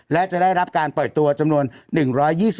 และจะได้รับการปล่อยตัวจำนวน๑๒๐